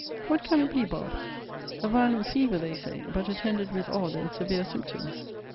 What can it be, Bob.? A violent fever, they say; but attended with odd and severe symptoms.